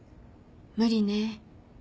無理ね